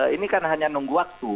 ini kan hanya nunggu waktu